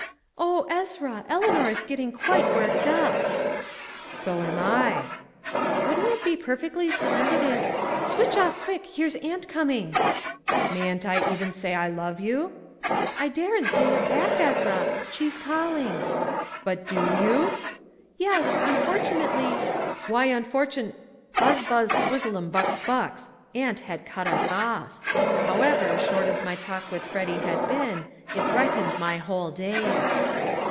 '" "Oh, Ezra, Eleanor is really getting quite worked up!" "So am I!" "Wouldn't it be perfectly splendid if Switch off quick, here's aunt coming!" "Mayn't I even say I love you?" "I daren't say it back, Ezra she's calling." "But do you?" "Yes, unfortunately " "Why unfortun ?" Buzz buzz swizzleum bux bux! Aunt had cut us off. However, short as my talk with Freddy had been, it brightened my whole day.